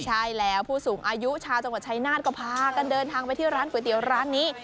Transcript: ใช่แล้วผู้สูงอายุชาวจังหวัดชายนาฏก็พากันเดินทางไปที่ร้านก๋วยเตี๋ยวร้านนี้